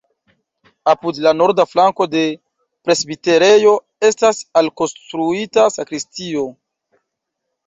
Apud la norda flanko de presbiterejo estas alkonstruita sakristio.